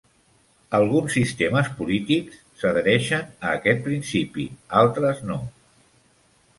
Alguns sistemes polítiques s'adhereixen a aquest principi, altres no.